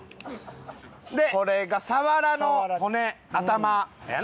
これがサワラの骨頭やな。